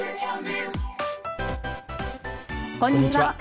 こんにちは。